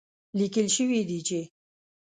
ليکل شوي دي چې